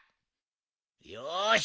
よし。